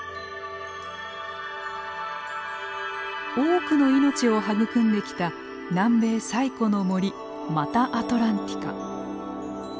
多くの命を育んできた南米最古の森マタアトランティカ。